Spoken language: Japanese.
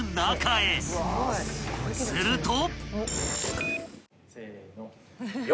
［すると］